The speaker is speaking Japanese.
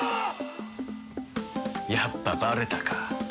やっぱバレたか。